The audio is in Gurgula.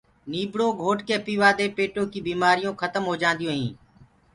نيٚڀڙو گھوٽ ڪي پيوآ دي پيٽو ڪيٚ بيمآريونٚ کتم هوجآنٚديونٚ هينٚ